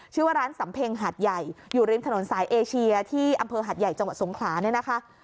ชื่อว่าร้านสำเพ็งหาดใหญ่อยู่ริมถนนสายเอเชียที่อำเภอหัดใหญ่จังหวัดสงขลาเนี่ยนะคะ